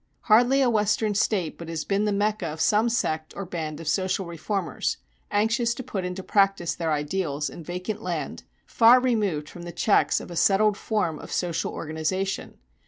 Hardly a Western State but has been the Mecca of some sect or band of social reformers, anxious to put into practice their ideals, in vacant land, far removed from the checks of a settled form of social organization.